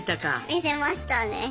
見せましたね。